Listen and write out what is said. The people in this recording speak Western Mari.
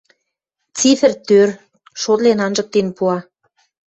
Цифр тӧр, шотлен-анжыктен пуа.